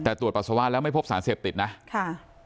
แต่ตรวจปัสสาวะแล้วไม่พบสารเสพติดนะค่ะ